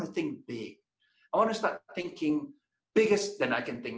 saya ingin berpikir lebih besar dari apa yang saya bisa pikirkan sekarang